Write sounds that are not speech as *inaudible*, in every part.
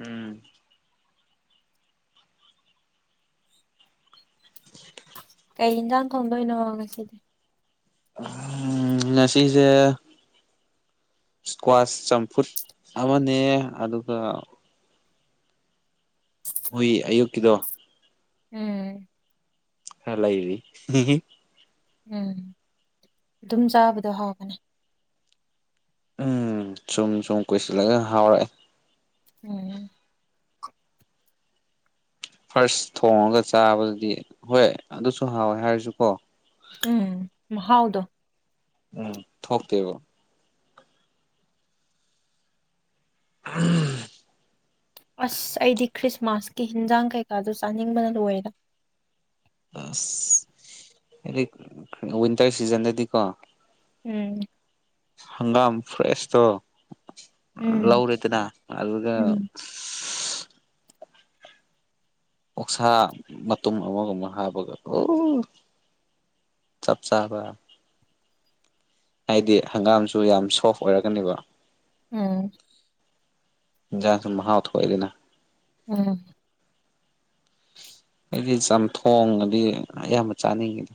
ꯎꯝ ꯀꯩ ꯌꯦꯟꯖꯥꯡ ꯊꯣꯡꯗꯅꯣ ꯍꯉꯁꯤꯗꯤ ꯎꯝ ꯉꯁꯤꯁꯦ ꯏꯁꯀ꯭ꯋꯥꯁ ꯆꯝꯐꯨꯠ ꯑꯃꯅꯦ ꯑꯗꯨꯒ ꯍꯏ ꯑꯌꯨꯛꯀꯤꯗꯣ ꯎꯝ ꯍꯂ ꯏꯔꯤ ꯎꯝ ꯑꯗꯨꯝ ꯆꯥꯕꯗꯣ ꯍꯥꯎꯒꯅꯤ ꯎꯝ ꯁꯨꯝ ꯁꯨꯝ ꯀꯣꯏꯁꯤꯜꯂꯒ ꯍꯥꯎꯔꯛꯑꯦ ꯎꯝ ꯐꯥꯔꯁ ꯊꯣꯡꯉꯒ ꯆꯥꯕꯗꯗꯤ ꯍꯣꯏ ꯑꯗꯨꯁꯨ ꯍꯥꯎꯋꯦ ꯍꯥꯏꯔꯁꯨꯀꯣ ꯎꯝ ꯍꯥꯎꯗꯣ ꯎꯝ ꯊꯣꯛꯣꯛꯇꯕꯣ ꯎꯝ ꯑꯁ ꯑꯩꯗꯤ ꯈ꯭ꯔꯤꯁꯃꯥꯁꯀꯤ ꯍꯤꯟꯖꯥꯡ ꯀꯩꯀꯥꯗꯨ ꯆꯥꯅꯤꯡꯕꯅ ꯂꯣꯏꯔꯦꯗ ꯑꯁꯗꯤ ꯋꯤꯟꯇꯔ ꯁꯤꯖꯟꯗꯗꯤꯀꯣ ꯎꯝ ꯍꯪꯒꯥꯝ ꯐ꯭ꯔꯦꯁ ꯊꯣ ꯎꯝ ꯂꯧꯔꯦꯗꯅ ꯑꯗꯨꯒ ꯎꯝ ꯑꯣꯛꯁꯥ ꯃꯇꯨꯝ ꯑꯃꯒꯨꯝ ꯑꯃ ꯍꯥꯞꯄꯒ ꯑꯣ ꯆꯥꯞ ꯆꯕ ꯍꯥꯏꯗꯤ ꯍꯪꯒꯥꯝꯁꯨ ꯌꯥꯝ ꯁꯣꯐ ꯑꯣꯏꯔꯛꯀꯅꯦꯕ ꯎꯝ ꯁꯨ ꯃꯍꯥꯊ ꯈꯂꯤꯅ ꯎꯝ ꯑꯩꯗꯤ ꯆꯝꯊꯣꯡꯉꯗꯤ ꯑꯌꯥꯝꯕ ꯆꯥꯅꯤꯡꯉꯤꯗ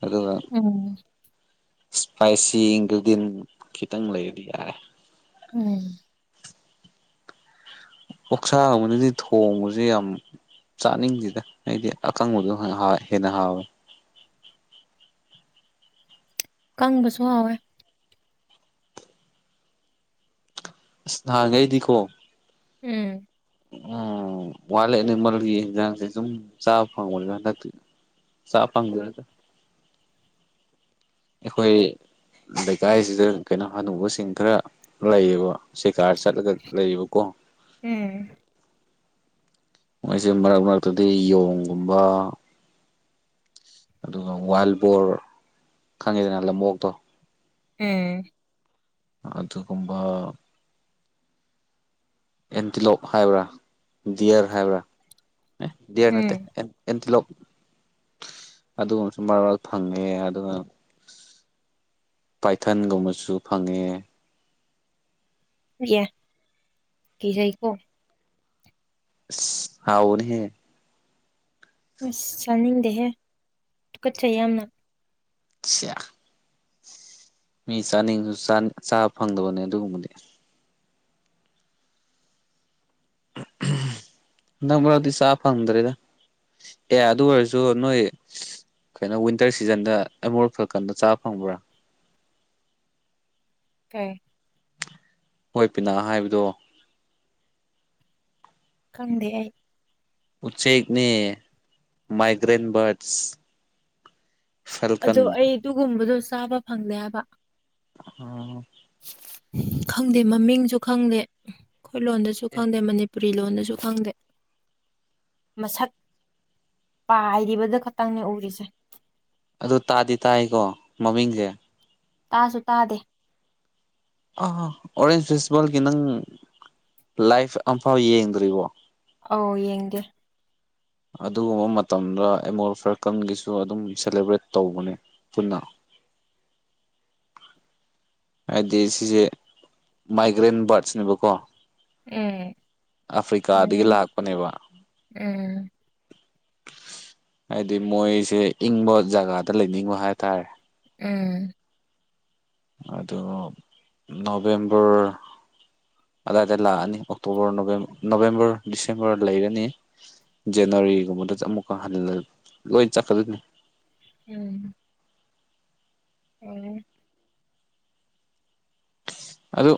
ꯑꯗꯨꯒ ꯎꯝ ꯏꯁꯄꯥꯏꯁꯤ ꯏꯟꯒ꯭ꯔꯤꯗꯤꯟ ꯈꯤꯇꯪ ꯂꯩꯔꯗꯤ ꯌꯥꯔꯦ ꯎꯝ ꯑꯣꯥꯛꯁꯥꯡ ꯑꯃꯗꯤ ꯊꯣꯡꯕꯁꯦ ꯌꯥꯝ ꯆꯥꯅꯤꯡꯁꯤꯗ ꯑꯩꯗꯤ ꯑꯀꯪꯕꯗꯣ ꯍꯦꯟꯅ ꯍꯥꯎꯋꯦ ꯀꯪꯕꯁꯨꯍꯥꯎꯋꯦ ꯑꯁ ꯅꯍꯥꯟꯈꯩꯗꯤꯀꯣ ꯎꯝ ꯎ ꯋꯥꯏꯜ ꯑꯦꯅꯤꯃꯦꯜꯒꯤ ꯌꯦꯟꯖꯥꯡꯁꯦ ꯁꯨꯝ ꯆꯥꯕ ꯐꯪꯕꯅꯦ ꯍꯟꯗꯛꯇꯤ ꯆꯄꯝꯗꯗ ꯑꯩꯈꯣꯏ ꯂꯩꯀꯥꯏꯁꯤꯗ ꯀꯩꯅꯣ ꯍꯅꯨꯧꯕꯁꯤꯡ ꯈꯔ ꯂꯩꯌꯦꯕ ꯁꯦꯀꯥꯔ ꯆꯠꯂꯒ ꯂꯩꯌꯦꯕꯀꯣ ꯎꯝ ꯃꯣꯏꯁꯦ ꯃꯔꯛ ꯃꯔꯛꯇꯗꯤ ꯌꯣꯡꯒꯨꯝꯕ ꯑꯗꯨꯒ ꯋꯥꯏꯜꯕꯣꯔ ꯈꯪꯉꯤꯗꯅ ꯂꯕꯣꯛꯇꯣ ꯎꯝ ꯑꯗꯨꯒꯒꯨꯝꯕ ꯑꯦꯟꯇꯤꯂꯣꯞ ꯍꯥꯏꯕ꯭ꯔꯥ ꯗꯌꯔ ꯍꯥꯏꯕ꯭ꯔꯥ ꯎꯝ ꯗꯤꯌꯥꯅꯠꯇꯦ ꯂꯣ ꯑꯗꯨꯒꯨꯝꯕꯁꯨ ꯃꯔꯛ ꯃꯔ ꯐꯪꯉꯦ ꯑꯗꯨꯒ ꯄꯥꯏꯊꯟꯒꯨꯝꯕꯁꯨ ꯐꯪꯉꯦ ꯌꯥ ꯀꯁꯩ ꯀꯣ ꯍꯥꯎꯅꯤꯍꯦ ꯑꯁ ꯆꯥꯅꯤꯡꯗꯦꯍꯦ ꯊꯨꯀꯠꯆꯩ ꯌꯥꯝꯅ ꯁꯤꯌꯥ ꯃꯤ ꯆꯥꯅꯤꯡꯁꯨ ꯆꯥꯕ ꯐꯪꯗꯕꯅꯦ ꯑꯗꯨꯒꯨꯝꯕꯗꯤ ꯅꯪ꯭ꯔꯗꯤ ꯁꯥꯐꯪꯗ꯭ꯔꯦꯗ ꯑꯦ ꯑꯗꯨ ꯑꯣꯏꯔꯁꯨ ꯅꯣꯏ ꯀꯩꯅꯣ ꯋꯤꯟꯇꯔ ꯁꯤꯖꯟꯗ ꯑꯩ ꯃꯣꯔꯠ ꯐ ꯀꯟꯗ ꯆꯥꯕ ꯐꯪꯕ꯭ꯔꯥ ꯀ ꯍꯣꯏ ꯄꯤꯅꯥ ꯍꯥꯏꯕꯗꯣ ꯈꯪꯗꯦ ꯑꯩ ꯎꯆꯦꯛꯅꯦ ꯃꯥꯏꯒ꯭ꯔꯦꯟ ꯕꯥꯔꯠꯁ ꯐꯦꯜꯀꯟ ꯑꯗꯣ ꯑꯩ ꯑꯗꯨꯒꯨꯝꯕꯗꯣ ꯆꯥꯕ ꯐꯪꯗꯦ ꯍꯥꯏꯕ ꯑ ꯈꯪꯗꯦ ꯃꯃꯤꯡꯁꯨ ꯈꯪꯗꯦ ꯑꯩꯈꯣꯏ ꯂꯣꯟꯗꯁꯨ ꯈꯪꯗꯦ ꯃꯅꯤꯄ ꯄꯨꯔꯤ ꯂꯣꯟꯗꯁꯨ ꯈꯪꯗꯦ ꯃꯁꯛ ꯄꯥꯏꯔꯤꯕꯗ ꯈꯛꯇꯪꯅꯦ ꯎꯔꯤꯁꯦ ꯑꯗꯨ ꯇꯥꯗꯤ ꯇꯥꯏꯀꯣ ꯃꯃꯤꯡꯁꯦ ꯇꯥꯁꯨ ꯇꯥꯗꯦ ꯑꯥ ꯑꯣꯔꯦꯟꯖ ꯐꯦꯁꯇꯤꯚꯦꯜꯒꯤ ꯅꯪ ꯂꯥꯏꯚ ꯑꯝꯐꯥꯎ ꯌꯦꯡꯗ꯭ꯔꯤꯕꯣ ꯑꯧ ꯌꯦꯡꯗꯦ ꯑꯗꯨꯒꯨꯝꯕ ꯃꯇꯝꯗ ꯑꯦꯃꯣꯜ ꯐꯔꯀꯟꯒꯤꯁꯨ ꯑꯗꯨꯝ ꯁꯦꯂꯦꯕ꯭ꯔꯦꯠ ꯇꯧꯕꯅꯦ ꯆꯂ ꯍꯥꯏꯗꯤ ꯁꯤꯁꯦ ꯃꯥꯏꯒ꯭ꯔꯦꯟ ꯕꯥꯔꯠꯁꯅꯦꯕꯀꯣ ꯎꯝ ꯑꯐ꯭ꯔꯤꯀꯥꯗꯒꯤ ꯎꯝ ꯂꯥꯛꯄꯅꯦꯕ ꯎꯝ ꯍꯥꯏꯗꯤ ꯃꯣꯏꯁꯦ ꯏꯪꯕ ꯖꯒꯥꯗ ꯂꯩꯅꯤꯡꯕ ꯍꯥꯏꯇꯥꯔꯦ ꯎꯝ ꯑꯣ ꯅꯚꯦꯝꯕꯔ ꯑꯗꯥꯋꯥꯏꯗ ꯂꯥꯛꯑꯅꯤ ꯑꯣꯛꯇꯣꯕꯔ ꯅꯣꯕꯦꯝꯕꯔ ꯗꯤꯁꯦꯝꯕꯔ ꯂꯩꯔꯅꯤ ꯖꯦꯅꯋꯥꯔꯤꯒꯨꯝꯕꯗ ꯑꯃꯨꯛꯀ ꯍ ꯂꯣꯏ ꯆꯠꯀꯗꯣ ꯎꯝ ꯎꯝ ꯑꯗꯨ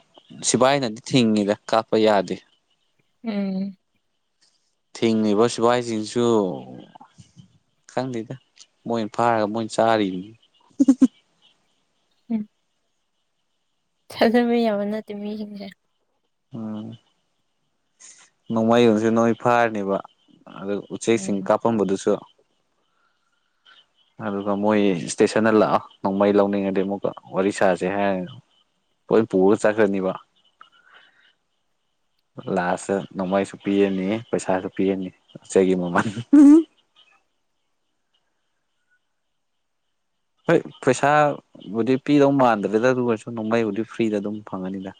ꯁꯤꯕꯥꯥꯏꯅꯗꯤ ꯊꯤꯡꯉꯤꯗ ꯀꯥꯞꯄ ꯌꯥꯗꯦ ꯎꯝ ꯊꯤꯡꯉꯤꯕ ꯁꯤꯐꯥꯏꯁꯤꯡꯁꯨ ꯈꯪꯗꯦꯗ ꯃꯣꯏ ꯐꯥꯔꯒ ꯃꯣꯏꯅ ꯆꯥꯔꯤꯝꯅꯤ ꯎꯝ ꯊꯥꯖꯕ ꯌꯥꯕ ꯅꯠꯇꯦ ꯃꯤꯁꯤꯡꯁꯦ ꯎꯝ ꯅꯣꯡꯃꯩꯒꯁꯦ ꯅꯣꯏ ꯐꯥꯔꯅꯦꯕ ꯑꯗꯨ ꯎꯆꯦꯛꯁꯤꯡ ꯎꯝ ꯀꯥꯞꯄꯝꯕꯗꯨꯁꯨ ꯑꯗꯨꯒ ꯃꯣꯏ ꯏꯁꯇꯦꯁꯟꯗ ꯂꯥꯛꯑꯣ ꯅꯣꯡꯃꯩ ꯂꯧꯅꯤꯡꯉꯗꯤ ꯑꯃꯨꯛꯀ ꯋꯥꯔꯤ ꯁꯥꯥꯁꯦ ꯍꯥꯏꯔ ꯑꯩꯣꯏ ꯄ ꯄꯨ ꯆ ꯀꯅꯤ ꯋꯥ ꯂꯥꯁꯇ ꯅꯣꯡꯃꯩꯁꯨ ꯄꯤꯔꯅꯤ ꯄꯩꯁꯥꯁꯨ ꯄꯤꯔꯅꯤꯆꯒꯤ ꯃꯃꯜ *unintelligible* ꯍꯣꯏ ꯄꯩꯁꯥꯕꯨꯗꯤ ꯄꯤꯗꯧ ꯃꯥꯟꯗ꯭ꯔꯦꯗ ꯑꯗꯨ ꯑꯣꯏꯔꯁꯨ ꯅꯣꯡꯃꯩꯕꯨꯗꯤ ꯐ꯭ꯔꯤꯗ ꯑꯗꯨꯝ ꯐꯪꯉꯅꯤꯗ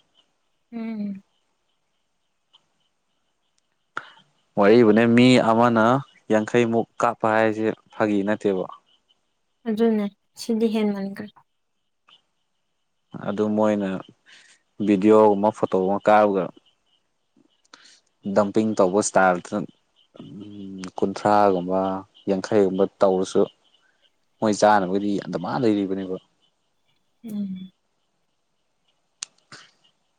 ꯎꯝ *unintelligible* ꯋꯥꯕꯨꯅꯦ ꯃꯤ ꯑꯃꯅ ꯌꯥꯡꯈꯩꯃꯨꯛ ꯀꯥꯞꯄ ꯍꯥꯏꯁꯦ ꯐꯥꯒꯤ ꯅꯠꯇꯦꯕ ꯑꯗꯨꯅꯦ ꯁꯤꯗꯤ ꯍꯦꯟ ꯃꯒ ꯑꯗꯨ ꯃꯣꯏꯅ ꯚꯤꯗꯤꯑꯣꯒ ꯑꯃ ꯐꯣꯇꯣ ꯑꯃ ꯀꯥꯔꯒ ꯗꯝꯄꯤꯡ ꯇꯧꯕ ꯏꯁꯇꯥꯔ ꯀꯨꯟꯊ꯭ꯔꯥꯒꯨꯝꯕ ꯌꯥꯡꯈꯩꯒꯨꯝꯕ ꯇꯧꯔꯁꯨ ꯃꯣꯏ ꯆꯥꯅꯕꯒꯤꯗꯤ ꯑꯗꯨꯗ ꯃꯥ ꯂꯩꯔꯤꯕꯅꯦꯕ ꯎꯝ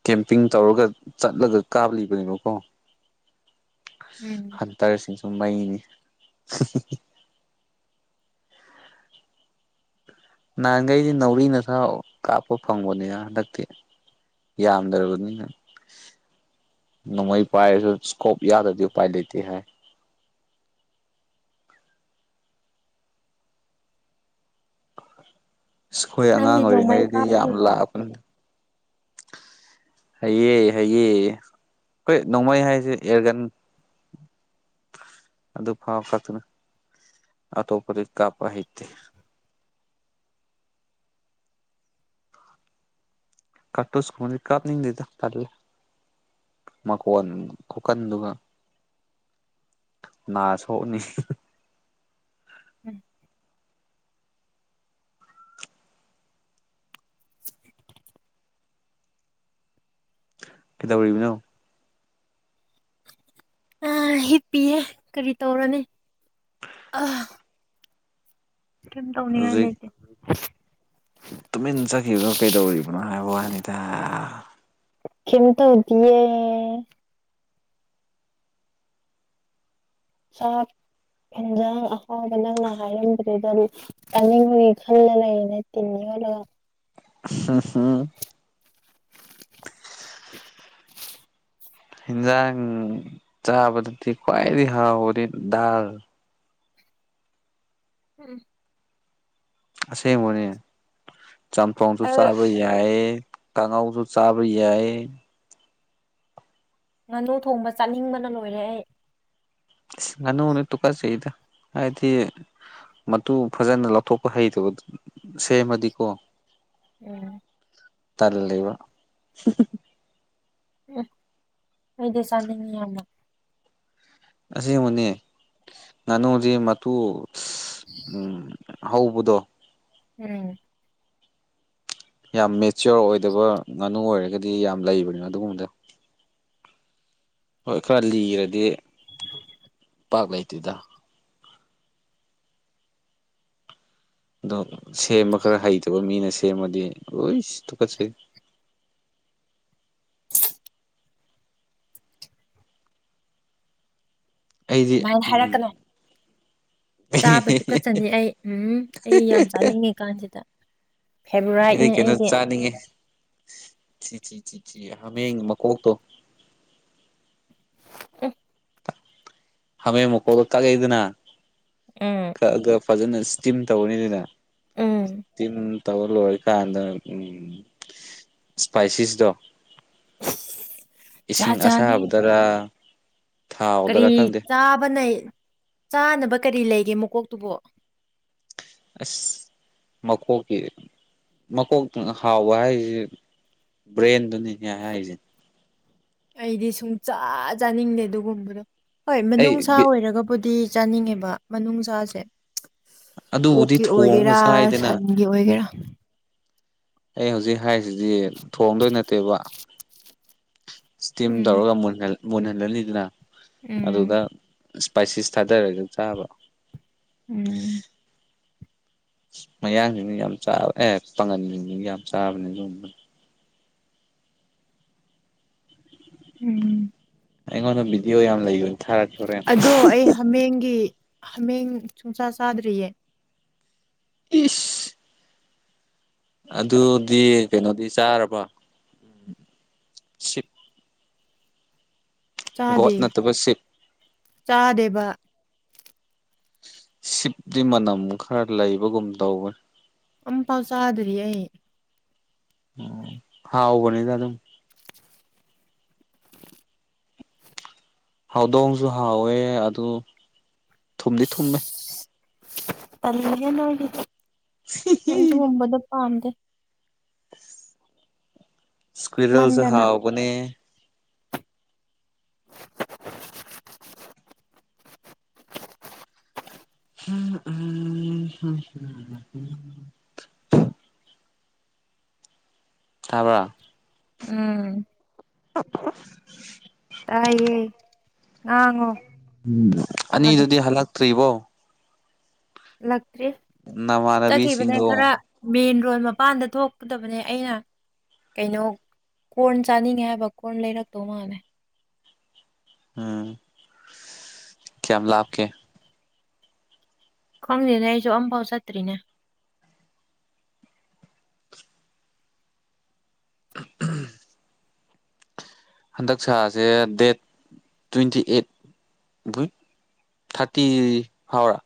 ꯀꯦꯝꯄꯤꯡ ꯇꯧꯔꯒ ꯆꯠꯂꯒ ꯀꯥꯞꯂꯤꯕꯅꯦꯕꯀꯣ ꯎꯝ ꯍꯟꯇꯔꯁꯤꯡꯁꯨ ꯃꯩꯅꯤ ꯅꯍꯥꯟꯈꯩꯗꯤ ꯅꯥꯎꯔꯤ ꯅ ꯁꯥ ꯀꯥꯞꯄ ꯐꯪꯕꯅꯦꯅ ꯍꯟꯗꯛꯇꯤ ꯌꯥꯗꯔꯔꯕ ꯅꯣꯡꯃꯩ ꯄꯥꯏꯁ ꯏꯁꯀꯣꯞ ꯌꯥꯗꯗꯤ ꯄꯥꯏ ꯂꯩꯇ ꯍꯥꯏ *unintelligible* ꯑ ꯑꯩꯈꯣꯏ ꯅꯪꯗꯤ ꯑꯉꯥꯡ ꯅꯣꯡꯃꯩ ꯑꯣꯏꯔꯤꯉꯩꯗꯤ ꯀꯥꯞꯄ ꯌꯥꯝ ꯍꯩꯕ꯭ꯔꯣ ꯂꯥꯛꯄꯅꯤ ꯍꯌꯦꯌꯦ ꯍꯌꯦ ꯑꯩꯈꯣꯏ ꯅꯣꯡꯃꯩ ꯍꯥꯏꯁꯦ ꯑꯦꯔꯒꯟ ꯑꯗꯨ ꯑꯗꯨ ꯐꯥꯎ ꯐꯅ ꯑꯇꯣꯞꯄꯗꯤ ꯀꯥꯄ ꯍꯦ *unintelligible* ꯀꯠꯣ ꯁꯀꯨꯝꯗꯤ ꯀꯥꯞꯅꯤꯡꯗꯗ ꯇꯔꯂ ꯃꯥ ꯀꯟ ꯀꯀꯟꯗꯨꯒ ꯅꯥ ꯁꯣꯛꯅꯤ ꯎꯝ ꯀꯗ ꯄꯨꯔꯤꯕ ꯅ ꯑ ꯍꯤꯠꯄꯤꯤꯌꯦ ꯀꯔꯤ ꯇꯧꯔꯅꯤ ꯑ ꯀꯝ ꯇꯧꯅꯤꯉ ꯍꯧꯖꯤꯛ ꯂꯩꯇ ꯇꯨꯃꯤꯟ ꯆꯠꯈꯤꯕꯗꯣ ꯀꯩꯗꯧꯔꯤꯕꯅꯣ ꯍꯥꯏꯕ ꯋꯥꯅꯤꯗ ꯀꯤꯟꯇ ꯌꯦ ꯁꯥꯞ ꯏꯟꯖꯥꯡ ꯑꯍꯥꯎꯕ ꯅꯪꯅ ꯍꯥꯏꯔꯝꯕꯗꯨ ꯑꯗꯨꯝ ꯆꯥꯅꯤꯡꯕꯒꯤ ꯈꯜꯂ ꯂꯩ ꯂꯩꯇꯦꯅꯤ ꯍꯂ ꯑ ꯑ ꯍꯤꯟꯖꯥꯡ ꯆꯥꯕꯗꯨꯗꯤ ꯈ꯭ꯋꯥꯏꯗꯤ ꯍ ꯑꯣꯏꯗꯤ ꯗꯔ ꯎꯝ ꯑꯁꯦꯡꯕꯅꯦ ꯆꯝꯊꯣꯡꯁꯨ ꯑꯩ ꯆꯥꯕ ꯌꯥꯏꯌꯦ ꯀꯉꯥꯎꯁꯨ ꯆꯥꯕꯔꯤ ꯌꯥ ꯉꯥꯅꯨ ꯊꯣꯡꯕ ꯆꯠꯅꯤꯡꯕꯅ ꯂꯣꯏꯔꯦ ꯑꯩ ꯅꯅꯨꯅꯦ ꯇꯨꯀ ꯆꯗ ꯍꯥꯏꯗꯤ ꯃꯇꯨ ꯐꯖꯅ ꯂꯧꯊꯣꯛꯄ ꯍꯩꯇꯕ ꯁꯦꯝꯃꯗꯤꯀꯣ ꯎꯝ ꯇꯜ ꯂꯩ ꯂꯩꯕ ꯎ ꯏꯗꯤ ꯆꯅꯤꯡꯉꯃ ꯑꯁꯤꯦꯡꯕꯅꯤ ꯉꯥꯅꯨꯗꯤ ꯃꯇꯨ ꯎꯝ ꯍꯧꯕꯗꯣ ꯎꯝ ꯌꯥꯝ ꯃꯦꯆꯤꯌꯣꯔ ꯑꯣꯏꯗꯕ ꯉꯥꯅꯨ ꯑꯣꯏꯔꯒꯗꯤ ꯌꯥꯝ ꯂꯩꯕꯅꯤꯅ ꯑꯗꯨꯒꯨꯝꯕꯗ ꯍꯣꯏ ꯈꯔ ꯂꯤꯔꯗꯤ ꯄꯥꯛ ꯂꯩꯇꯦꯗ ꯑꯗꯣ ꯁꯦꯝꯕ ꯈꯔ ꯍꯩꯇꯕ ꯃꯤꯅ ꯁꯦꯝꯃꯗꯤ ꯂꯣꯏ ꯇꯨꯀꯠꯇ꯭ꯔꯤ *unintelligible* ꯑꯩꯗꯤ ꯃ ꯍꯔꯛꯀ ꯎꯝ ꯆꯥꯕꯗꯨ ꯀꯠꯆꯅꯤ ꯑꯩ ꯎꯝ ꯑꯩ ꯌꯥꯝ ꯆꯥꯅꯤꯡꯉꯤ ꯀꯥꯟꯁꯤꯗ ꯐꯦꯕꯣꯔꯥꯏꯠꯅꯦ ꯑꯩꯒꯤ ꯤ ꯍ ꯃꯀꯣꯛꯇꯣ ꯑ ꯍꯥꯃꯦꯦꯟ ꯃꯀꯣꯛꯗꯣ ꯀꯛꯑꯦꯗꯅ ꯎꯝ ꯀꯛꯑꯒ ꯐꯖꯅ ꯏꯁꯇꯤꯝ ꯇꯧꯔꯅꯤꯗꯅ ꯎꯝ ꯇꯝ ꯇꯧꯕ ꯂꯣꯏꯔꯀꯥꯟꯗ ꯎ ꯏꯁꯄꯥꯏꯁꯤꯁꯇꯣ ꯖꯥꯠ ꯏꯁꯤꯡ ꯖꯥꯠꯅꯤ ꯑꯁꯥꯕꯗꯔꯥ ꯀꯔꯤ ꯆꯥ ꯕꯅꯩ ꯆꯥꯅꯕ ꯀꯔꯤ ꯂꯩꯒꯦ ꯃꯀꯣꯛꯇꯨꯕꯣ ꯑꯁ ꯃꯀꯣꯛꯀꯤ ꯃꯀꯣꯛꯇ ꯍꯥꯎꯕ ꯍꯥꯏꯁꯤ ꯕ꯭ꯔꯦꯟꯗꯨꯅꯤꯅꯦ ꯍꯥꯏꯔꯤꯁꯦ ꯑꯩꯗꯤ ꯁꯨꯡ ꯆꯥ ꯆꯥꯅꯤꯡꯗꯦ ꯑꯗꯨꯒꯨꯝꯕꯗꯣ ꯍꯣꯏ ꯑꯩ ꯃꯅꯨꯡꯅꯨꯡꯁꯥ ꯑꯣꯏꯔꯒꯕꯨꯗꯤ ꯆꯥꯅꯤꯡꯉꯦꯕ ꯃꯅꯨꯡ ꯆꯥꯁꯦ ꯑꯗꯨꯕꯨꯗꯤ ꯑꯣꯀꯤ ꯑꯣꯏꯒꯦꯔꯥ ꯊꯣꯡꯉꯒ ꯆꯥꯏꯗꯅ ꯁꯟꯒꯤ ꯑꯣꯏꯒꯦꯔꯥ ꯑꯩ ꯍꯧꯖꯤꯛ ꯍꯥꯏꯔꯤꯁꯤꯗꯤ ꯊꯣꯡꯗꯣꯏ ꯅꯠꯇꯦꯕ ꯏꯁꯇꯤꯝ ꯎꯝ ꯇꯧꯔꯒ ꯃꯨꯟꯍꯟꯍꯜꯂꯤꯗꯅ ꯑꯗꯨꯗ ꯎꯝ ꯏꯁꯄꯥꯏꯁꯤꯁ ꯊꯥꯗꯔꯒ ꯆꯥꯕ ꯎꯝ ꯃꯌꯥꯡꯁꯤꯡꯅ ꯌꯥꯝ ꯆꯥꯕ ꯑꯦ ꯄꯥꯒꯟꯁꯤꯡ ꯌꯥꯝ ꯆꯥꯕꯅꯦ ꯑꯗꯨꯒꯨꯝꯕ ꯎꯝ ꯑꯩꯉꯣꯟꯗ ꯕꯤꯗꯤꯑꯣ ꯌꯥꯝ ꯂꯩꯕ ꯑꯗꯣ ꯑꯩ ꯍꯥꯃꯦꯡꯒꯤ ꯍꯥꯃꯦꯡ ꯁꯨꯡꯆꯥ ꯆꯥꯗ꯭ꯔꯤꯌꯦ ꯏꯁ ꯑꯗꯨꯗꯤ ꯀꯩꯅꯣꯗꯤ ꯆꯥꯔꯕ ꯎ ꯁꯤꯞ ꯒꯣꯠ ꯆꯥꯗꯦ ꯅꯠꯇꯕ ꯁꯤꯞ ꯆꯥꯗꯦꯕ ꯁꯤꯞꯇꯤ ꯃꯅꯝ ꯈꯔ ꯂꯩꯕꯒꯨꯝ ꯇꯧꯋꯤ ꯑꯝ ꯄꯥꯎ ꯆꯥꯗ꯭ꯔꯤ ꯑꯩ ꯎꯝ ꯍꯥꯎꯥꯎꯕꯅꯤꯗꯥ ꯑꯗꯨ ꯍꯥꯎꯗꯣꯡꯁꯨ ꯍꯥꯎꯋꯦ ꯑꯗꯨ ꯊꯨꯝꯗꯤ ꯊꯨꯝꯃꯦ ꯇꯜꯂꯤꯒꯗꯤꯗ ꯍꯗ ꯁ꯭ꯀ꯭ꯋꯔꯜꯁꯨꯦ ꯄꯤꯛꯃꯟꯗꯅ ꯍꯥꯥꯎꯕꯅꯦ *unintelligible* ꯍ ꯎ ꯊꯥꯕ꯭ꯔ ꯎꯝ ꯇꯥꯏꯌꯦ ꯉꯥꯡꯉꯣ *unintelligible* ꯎꯝ ꯇꯥꯒꯦ ꯑꯅꯤꯗꯨꯗꯤ ꯍꯜꯂꯛꯇ꯭ꯔꯤꯕꯣ ꯂꯇ꯭ꯔꯤ ꯆꯠꯈꯤꯕꯅꯦ ꯈꯔ ꯅꯃꯥꯟꯅꯕꯤꯁꯤꯡꯗꯣ ꯃꯦꯟ ꯔꯣꯟ ꯃꯄꯥꯟꯗ ꯊꯣꯛꯀꯗꯕꯅꯦ ꯑꯩꯅ ꯀꯩꯅꯣ ꯀꯣꯔꯟ ꯆꯥꯅꯤꯡꯉꯦ ꯍꯥꯏꯕ ꯀꯣꯔꯟ ꯂꯩꯔꯛꯇꯧ ꯃꯥꯜꯂꯦ ꯎꯝ ꯀꯌꯥꯃꯂꯞꯀꯦ ꯈꯪꯗꯦꯗ ꯁꯩꯁꯨ ꯑꯝꯐꯥꯎ ꯆꯠꯇ꯭ꯔꯤꯅꯦ *unintelligible* ꯍꯟꯗꯛ ꯁꯥꯥꯁꯦ ꯗꯦꯠ ꯇ꯭ꯋꯦꯟꯇꯤ ꯑꯩꯠ ꯏ ꯊꯥꯔꯇꯤ ꯍꯥꯎꯔ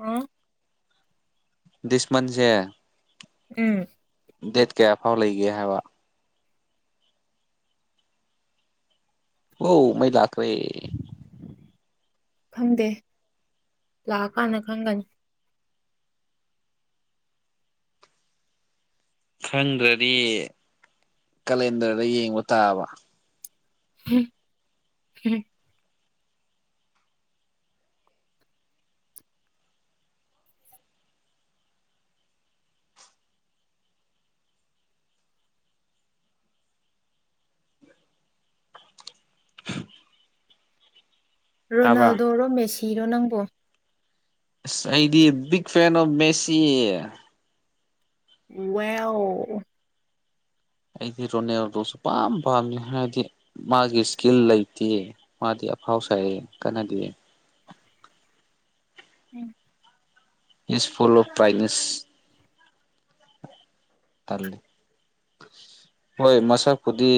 ꯑ ꯗꯤꯁꯃꯁꯦ ꯎꯝ ꯗꯦꯠ ꯀꯌꯥ ꯐꯥꯎ ꯂꯩꯒꯦ ꯍꯥꯏꯕ ꯍ ꯃꯣꯏ ꯂꯥꯛꯈ꯭ꯔꯦ ꯈꯪꯗꯦ ꯂꯥꯛꯑꯀꯥꯟꯗ ꯈꯪꯒꯅꯤ ꯈꯪꯗ꯭ꯔꯗꯤ ꯀꯂꯦꯟꯗꯔꯗ ꯌꯦꯡꯕ ꯇꯥꯕ ꯎꯝ ꯍꯝ ꯇꯥꯕ꯭ꯔꯥ ꯔꯣꯅꯥꯜꯗꯣꯔꯣ ꯃꯦꯁꯤꯔꯣ ꯅꯪꯕꯣ the big fan of Messi ꯋꯥ ꯑꯣ ꯑꯩꯗꯤ ꯔꯣꯅꯦꯜꯗꯣꯁꯨ ꯄꯥꯝ ꯄꯥꯝꯃꯤ ꯍꯥꯏꯗꯤ ꯃꯥꯒꯤ ꯏꯁꯀꯤꯜ ꯂꯩꯇꯦ ꯃꯥꯗꯤ ꯑꯐꯥꯎ ꯁꯥꯏꯌꯦ ꯀꯅꯗꯦ ꯎꯝ ꯁ ꯏꯁꯄꯨꯜ ꯑꯣꯐ ꯭ꯔꯥꯏꯠꯅꯦꯁ ꯍꯣꯏ ꯃꯁꯛ ꯈꯨꯗꯤ